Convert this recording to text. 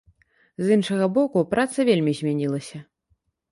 З іншага боку, праца вельмі змянілася.